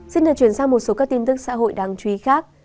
xin hãy truyền sang một số các tin tức xã hội đáng chú ý khác